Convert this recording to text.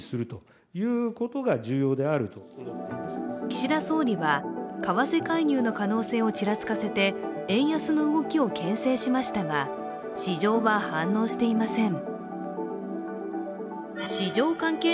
岸田総理は為替介入の可能性をちらつかせて円安の動きをけん制しましたが、市場は反応していません。